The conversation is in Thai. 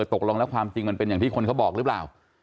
ตกลงแล้วความจริงมันเป็นอย่างที่คนเขาบอกหรือเปล่า